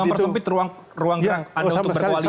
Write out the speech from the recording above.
tidak mempersempit ruang ruang anda untuk berkoalisi